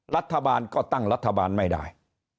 รัฐบาลก็ตั้งรัฐบาลไม่ได้